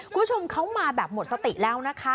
คุณผู้ชมเขามาแบบหมดสติแล้วนะคะ